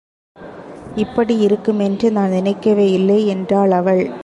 இப்படியிருக்குமென்று நான் நினைக்கவேயில்லை என்றாள் அவள்.